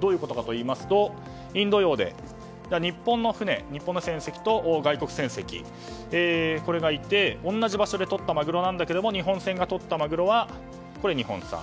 どういうことかといいますとインド洋で日本の船籍と外国船籍がいて同じ場所でとったマグロだけども日本船がとったマグロは日本産。